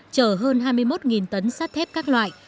chở hơn hai mươi một tấn sắt thép các loại